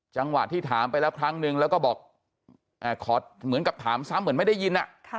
จังหวะที่ถามไปแล้วครั้งนึงแล้วก็บอกขอเหมือนกับถามซ้ำเหมือนไม่ได้ยิน